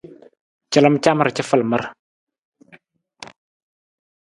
Calam camar cafalamar.